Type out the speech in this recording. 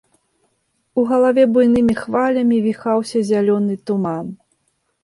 У галаве буйнымі хвалямі віхаўся зялёны туман.